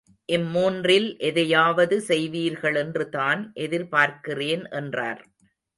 இம்மூன்றில் எதையாவது செய்வீர்களென்றுதான் எதிர்பார்க்கிறேன் என்றார்.